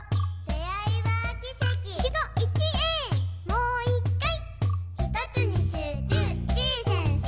「もう一回」